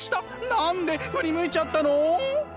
何で振り向いちゃったの？